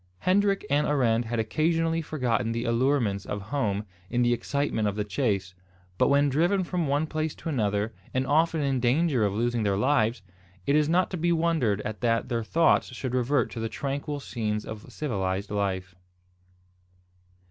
Hendrik and Arend had occasionally forgotten the allurements of home in the excitement of the chase; but when driven from one place to another, and often in danger of losing their lives, it is not to be wondered at that their thoughts should revert to the tranquil scenes of civilised life.